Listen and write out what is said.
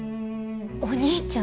お兄ちゃん！？